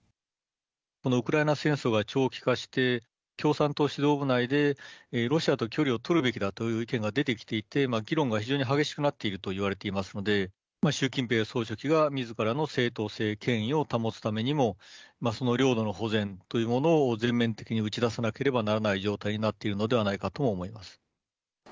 このウクライナ戦争が長期化して、共産党指導部内で、ロシアと距離を取るべきだという意見が出てきていて、議論が非常に激しくなっているといわれていますので、習近平総書記がみずからの正当性、権威を保つためにも、領土の保全というものを全面的に打ち出さなければならない状態になっているのではないかとも思います。